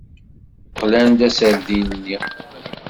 Qlan-d aserdin-nni.